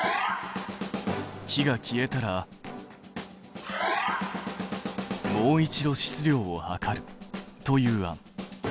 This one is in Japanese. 火が消えたらもう一度質量を量るという案。